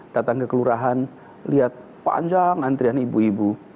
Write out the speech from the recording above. datang ke kelurahan lihat panjang antrian ibu ibu